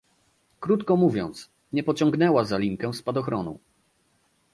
Krótko mówiąc, nie pociągnęła za linkę spadochronu